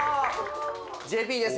ＪＰです。